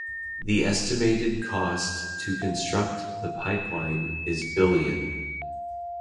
The estimated cost to construct the pipeline is billion.